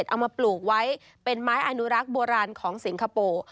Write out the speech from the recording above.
เอามาปลูกไว้เป็นไม้อนุรักษ์โบราณของสิงคโปร์